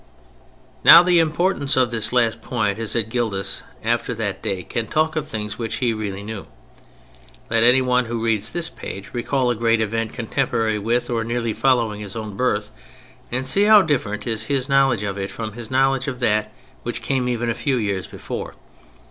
Now the importance of this last point is that Gildas after that date can talk of things which he really knew. Let anyone who reads this page recall a great event contemporary with or nearly following his own birth, and see how different is his knowledge of it from his knowledge of that which came even a few years before.